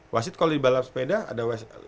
wasit kalau di balap sepeda ada